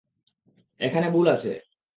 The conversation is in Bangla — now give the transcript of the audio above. এখানে ভুল আছে।